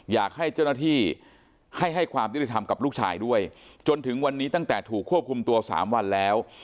อยากให้เจ้าหน้าที่ให้ให้ความยุติธรรมกับลูกชายด้วยจนถึงวันนี้ตั้งแต่ถูกควบคุมตัว๓วันแล้ว